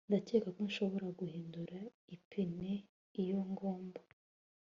Ndakeka ko nshobora guhindura ipine iyo ngomba